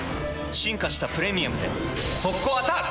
進化した「プレミアム」で速攻アタック！